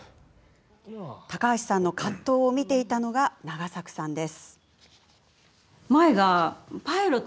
高橋さんの葛藤を見ていたのが永作さんです。